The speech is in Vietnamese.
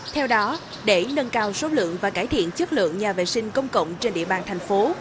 theo đó để nâng cao số lượng và cải thiện chất lượng nhà vệ sinh công cộng trên địa bàn thành phố